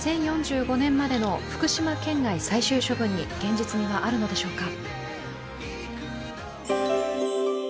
２０４５年までの福島県内最終処分に現実味はあるのでしょうか？